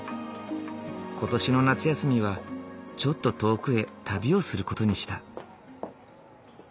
今年の夏休みはちょっと遠くへ旅をする事にした。